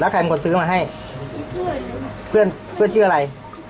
ใครเป็นคนซื้อมาให้เพื่อนเพื่อนชื่ออะไร